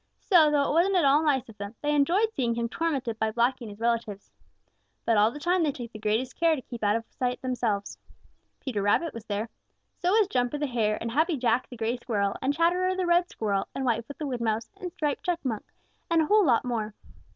So, though it wasn't at all nice of them, they enjoyed seeing him tormented by Blacky and his relatives. But all the time they took the greatest care to keep out of sight themselves. Peter Rabbit was there. So was Jumper the Hare and Happy Jack the Gray Squirrel and Chatterer the Red Squirrel and Whitefoot the Wood Mouse and Striped Chipmunk and a lot more.